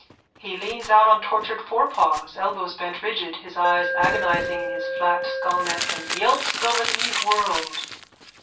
_(He leans out on tortured forepaws, elbows bent rigid, his eye agonising in his flat skullneck and yelps over the mute world.)